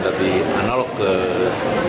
tapi analog ke setiap